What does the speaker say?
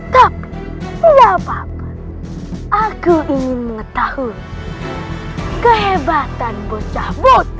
tapi gak apa apa aku ingin mengetahui kehebatan bocah bot